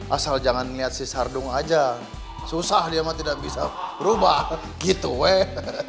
asal jangan lihat si sardung aja susah dia mah tidak bisa berubah gitu weh